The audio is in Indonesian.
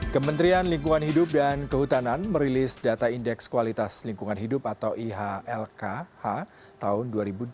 kementerian lingkungan hidup dan kehutanan merilis data indeks kualitas lingkungan hidup atau ihlkh tahun dua ribu dua puluh